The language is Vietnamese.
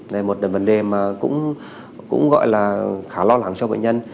đây là một vấn đề mà cũng gọi là khá lo lắng cho bệnh nhân